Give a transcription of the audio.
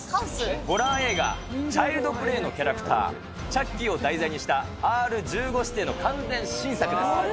ホラー映画、チャイルド・プレイのキャラクター、チャッキーを題材にしたＲ１５指定の完全新作です。